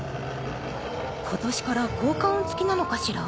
今年から効果音付きなのかしら？